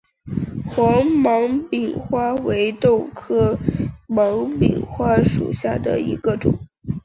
黄芒柄花为豆科芒柄花属下的一个种。